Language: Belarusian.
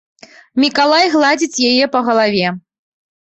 Мікалай гладзіць яе па галаве.